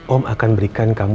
om akan berikan kamu